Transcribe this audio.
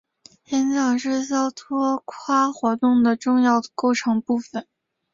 演讲是肖托夸活动的重要构成部分。